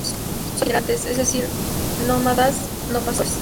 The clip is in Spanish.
Son itinerantes, es decir, nómadas no pastores.